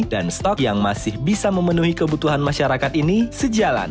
dan stok yang masih bisa memenuhi kebutuhan masyarakat ini sejalan